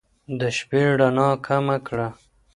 د شپې رڼا کمه کړه